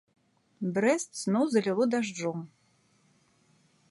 Брэст зноў заліло дажджом.